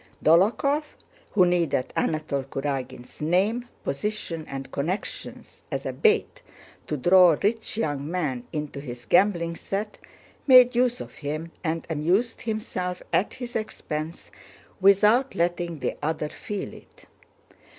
Dólokhov, who needed Anatole Kurágin's name, position, and connections as a bait to draw rich young men into his gambling set, made use of him and amused himself at his expense without letting the other feel it.